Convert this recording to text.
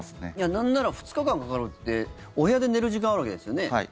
なんなら２日間かかるってお部屋で寝る時間があるわけですよね。